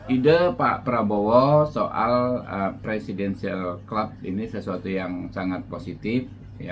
ide pak prabowo soal presidensial club ini sesuatu yang sangat positif